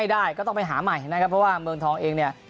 ได้ก็ต้องไปหาใหม่นะครับเพราะว่าเมืองทองเองเนี่ย